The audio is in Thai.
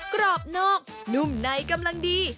กรอบนอกนุ่มในกำลังดี